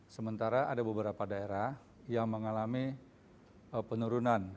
sementara ada beberapa daerah yang mengalami penurunan